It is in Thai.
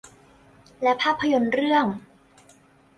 และภาพยนตร์เรื่อง